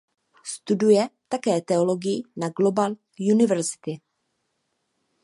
Studuje také teologii na Global University.